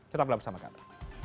kita telah bersama sama